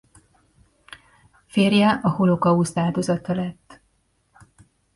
Férje a holokauszt áldozata lett.